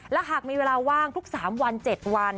และหากมีเวลาว่างทุก๓วัน๗วัน